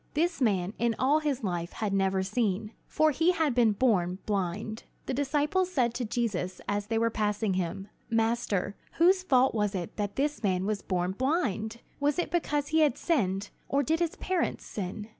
This man in all his life had never seen; for he had been born blind. The disciples said to Jesus as they were passing him: "Master, whose fault was it that this man was born blind? Was it because he has sinned, or did his parents sin?"